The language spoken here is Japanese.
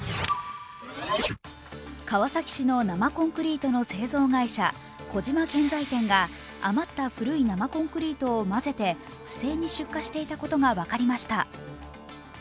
川崎市の生コンクリートの製造会社・小島建材店が余った古い生コンクリートを混ぜて不正に出荷していたことが分かりました。